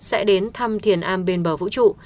sẽ đến thăm thiền am bên bờ vũ trụ